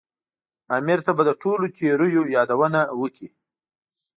امیر ته به د ټولو تېریو یادونه وکړي.